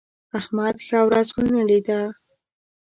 احمد ښه ورځ ونه لیده.